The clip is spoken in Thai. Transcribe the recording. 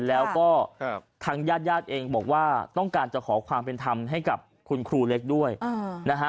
แล้วก็ทางญาติญาติเองบอกว่าต้องการจะขอความเป็นธรรมให้กับคุณครูเล็กด้วยนะฮะ